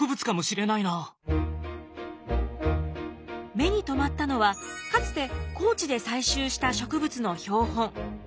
目に留まったのはかつて高知で採集した植物の標本。